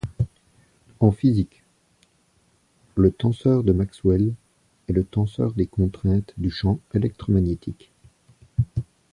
En physique, le tenseur de Maxwell est le tenseur des contraintes du champ électromagnétique.